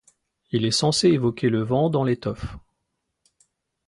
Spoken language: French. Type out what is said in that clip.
Il est censé évoquer le vent dans l'étoffe.